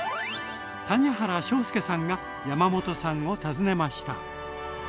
谷原章介さんが山本さんを訪ねました。